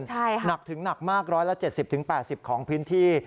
ใช่ค่ะหนักถึงหนักมาก๑๗๐๘๐ของพื้นที่